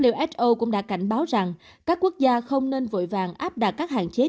who cũng đã cảnh báo rằng các quốc gia không nên vội vàng áp đặt các hạn chế